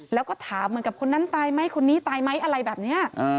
แล้วก็ถามเหมือนกับคนนั้นตายไหมคนนี้ตายไหมอะไรแบบนี้